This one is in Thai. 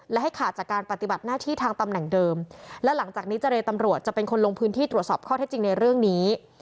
และให้ขาดจากการปฏิบัติหน้าที่ทางตำแหน่งเดิมและหลังจากนี้เจรตำรวจจะเป็นคนลงพื้นที่ตรวจสอบข้อเท็จจริงในเรื่องนี้